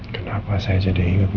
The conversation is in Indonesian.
kenapa saya jadi ingat momen itu ya